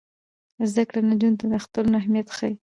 زده کړه نجونو ته د اخترونو اهمیت ښيي.